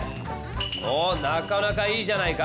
おなかなかいいじゃないか！